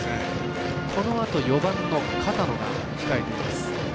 このあと４番の片野が控えています。